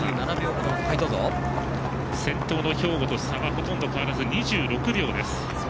佐藤さん、先頭の兵庫と差がほとんど変わらず２６秒です。